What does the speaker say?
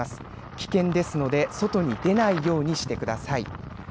危険ですので外に出ないようにしてください。